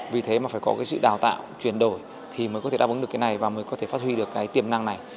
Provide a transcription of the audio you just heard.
vì thế mà phải có cái sự đào tạo chuyển đổi thì mới có thể đáp ứng được cái này và mới có thể phát huy được cái tiềm năng này